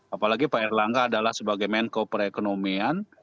apalagi pak erlangga adalah sebagai menko perekonomian